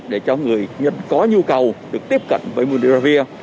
để cho người dân có nhu cầu được tiếp cận với monubiravir